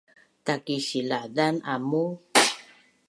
Takisilazan amu?